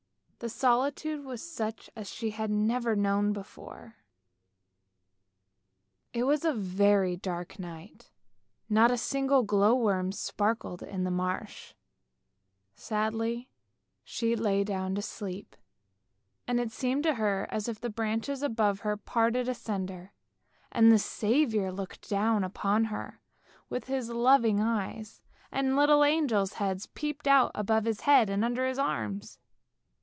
The solitude was such as she had never known before. It was a very dark night, not a single glow worm sparkled in the marsh; sadly she lay down to sleep, and it seemed to her as if the branches above her parted asunder, and the Saviour looked down upon her with His loving eyes, and little angels' heads peeped out above His head and under His arms.